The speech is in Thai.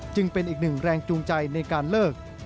เป็นอีกหนึ่งแรงจูงใจในการเลิก